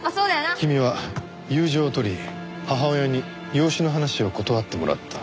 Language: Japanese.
君は友情を取り母親に養子の話を断ってもらった。